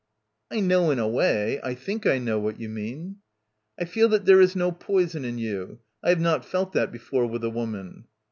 "I know in a way. I think I know what you mean." "I feel that there is no poison in you. I have not felt that before with a woman."